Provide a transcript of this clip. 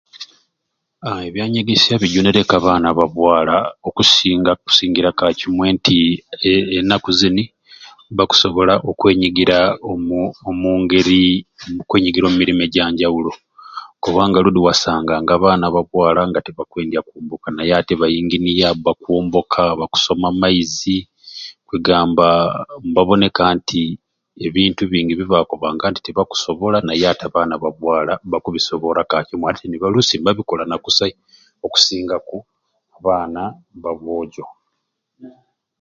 Ha ebyanyegesya bijunireku abaana ba bwala okusinga okusingira kakimwei nti e enaku zini bakusobola okwenyigira omu omungeri okwemigira omu mirimu egyanjawulo kubanga ludi wasanganga abaana ba bwala nga tebakwendya kola naye ati buni ba engineer bakomboka bakusoma amaizi kwegamba nebabonka nti ebintu bingi byebakobanga nti tebakusobola naye ati abaana ba bwala bakubisobora kakimwei ate olusi nibabikola kusai okusingaku abaana ba bwojo